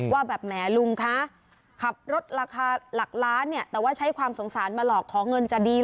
ว่าแบบแหมลุงคะขับรถราคาหลักล้านเนี่ยแต่ว่าใช้ความสงสารมาหลอกขอเงินจะดี